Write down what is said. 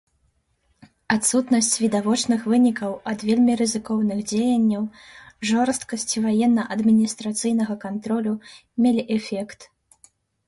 Адсутнасць відавочных вынікаў ад вельмі рызыкоўных дзеянняў, жорсткасць ваенна-адміністрацыйнага кантролю мелі эфект.